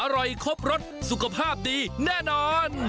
ครบรสสุขภาพดีแน่นอน